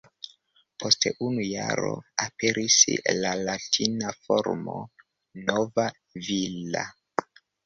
Post unu jaro aperis la latina formo ""Nova Villa"".